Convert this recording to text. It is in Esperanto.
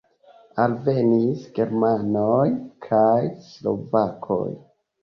Alvenis germanoj kaj slovakoj.